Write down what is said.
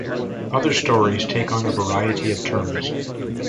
Other stories take on a variety of turns.